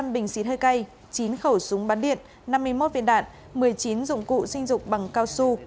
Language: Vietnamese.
một trăm linh bình xít hơi cay chín khẩu súng bắn điện năm mươi một viên đạn một mươi chín dụng cụ sinh dục bằng cao su